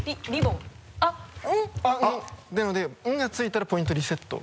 「ん」なので「ん」が付いたらポイントリセット。